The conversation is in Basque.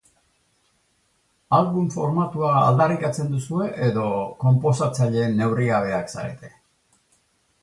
Album formatua aldarrikatzen duzue edo konposatzaile neurrigabeak zarete?